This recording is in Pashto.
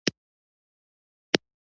د باور نشتوالی خرڅلاو کموي.